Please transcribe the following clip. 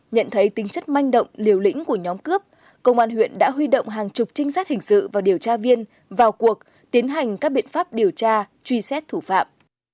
nhận thấy tính chất manh động liều lĩnh của nhóm cướp công an huyện đã huy động hàng chục trinh sát hình sự và điều tra viên vào cuộc tiến hành các biện pháp điều tra truy xét thủ phạm